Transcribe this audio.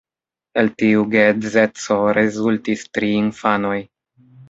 El tiu geedzeco rezultis tri infanoj.